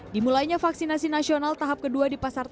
dimulainya vaksinasi nasional tahap kedua